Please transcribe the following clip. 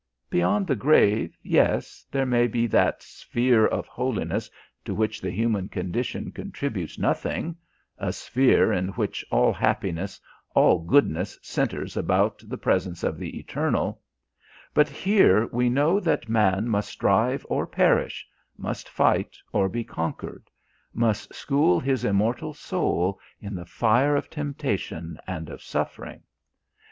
Beyond the grave, yes, there may be that sphere of holiness to which the human condition contributes nothing a sphere in which all happiness, all goodness centres about the presence of the Eternal but here we know that man must strive or perish, must fight or be conquered must school his immortal soul in the fire of temptation and of suffering.